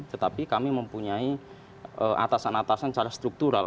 tetapi kami mempunyai atasan atasan secara struktural